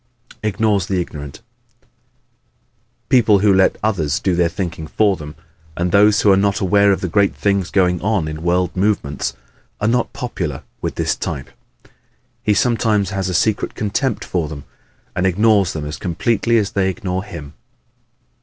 Ignores the Ignorant ¶ People who let others do their thinking for them and those who are not aware of the great things going on in world movements, are not popular with this type. He sometimes has a secret contempt for them and ignores them as completely as they ignore him.